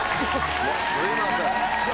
すいません